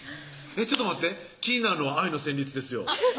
ちょっと待って気になるのは愛の旋律ですよあっ